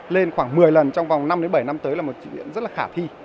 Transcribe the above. lên khoảng một mươi lần trong vòng năm bảy năm tới là một chuyện rất là khả thi